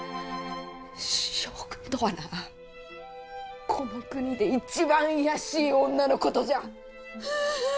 将軍とはなこの国で一番卑しい女のことじゃ！